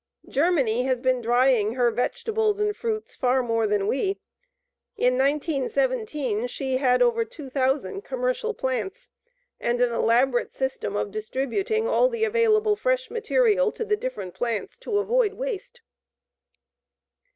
Germany has been drying her vegetables and fruits far more than we. In 1917 she had over 2,000 commercial plants, and an elaborate system of distributing all the available fresh material to the different plants to avoid waste.